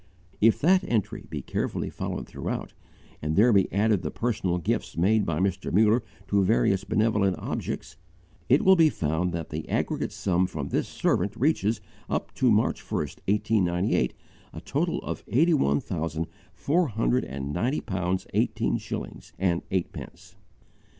If that entry be carefully followed throughout and there be added the personal gifts made by Mr. Muller to various benevolent objects, it will be found that the aggregate sum from this "servant" reaches, up to March 1, 1898, a total of _eighty one thousand four hundred and ninety pounds eighteen shillings and eightpence.